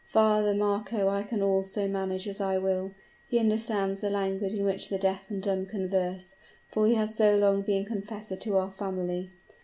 Father Marco I can also manage as I will; he understands the language in which the deaf and dumb converse, for he has so long been confessor to our family.